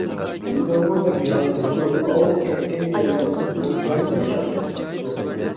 سىزنىڭمۇ بەك ئاينىپتۇ، ئاۋۇ كەسكەن يەرلەردىن ئوبدانلا شاخ چىقىپتۇ.